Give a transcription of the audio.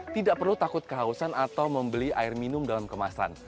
tidak perlu takut kehausan atau membeli air minum dalam kemasan